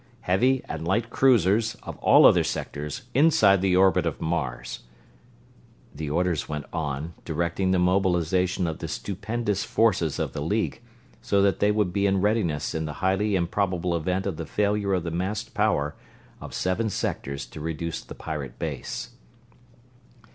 Heavy and Light Cruisers of all other sectors inside the orbit of Mars ..." the orders went on, directing the mobilization of the stupendous forces of the League, so that they would be in readiness in the highly improbable event of the failure of the massed power of seven sectors to reduce the pirate base.